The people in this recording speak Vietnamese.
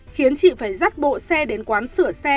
khiến chị phải rắt bộ xe đến quán sửa xe